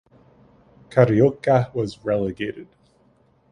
Carioca was relegated.